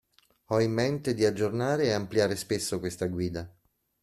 Ho in mente di aggiornare e ampliare spesso questa guida.